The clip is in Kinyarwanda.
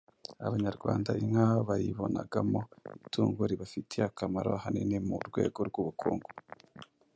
Abanyarwanda, inka bayibonagamo itungo ribafitiye akamaro ahanini mu rwego rw'ubukungu.